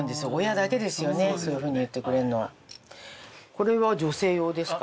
これは女性用ですか？